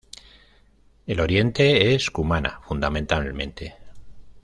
El oriente es Cumaná fundamentalmente.